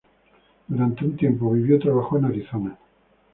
Durante un tiempo vivió y trabajó en Arizona.